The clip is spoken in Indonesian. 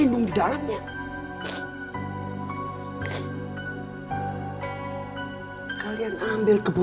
budak budak budak sederhana berhasil